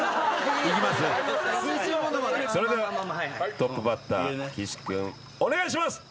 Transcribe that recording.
それではトップバッター岸君お願いします！